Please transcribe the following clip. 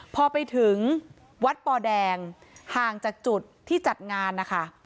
พอไปถึงวัดปอแดงห่างจากจุดที่จัดงานนะคะ